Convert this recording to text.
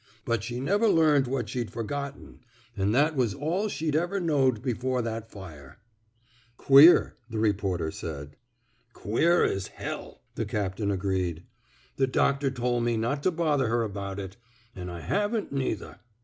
Bnt she never learned what she'd forgotten — an' that was all she'd ever knowed before that fire." Queer," the reporter said. Queer as h ," the captain agreed. The doctor tol' me not to bother her about it. An' I haven't, neither.